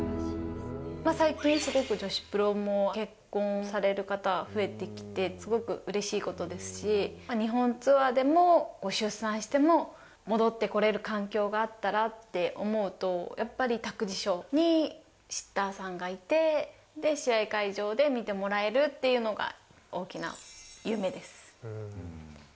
最近、すごく女子プロも結婚される方が増えてきて、すごくうれしいことですし、日本ツアーでも、出産しても戻ってこれる環境があったらって思うと、やっぱり、託児所にシッターさんがいて、試合会場で見てもらえるというのが、大きな夢です。